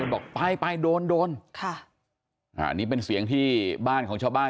บอกไปไปโดนโดนค่ะอ่านี่เป็นเสียงที่บ้านของชาวบ้าน